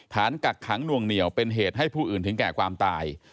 กักขังนวงเหนียวเป็นเหตุให้ผู้อื่นถึงแก่ความตาย